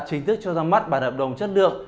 chính thức cho ra mắt bản hợp đồng chất lượng